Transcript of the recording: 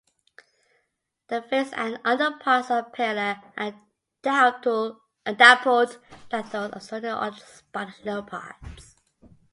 The face and underparts are paler and dappled like those of ordinary spotted leopards.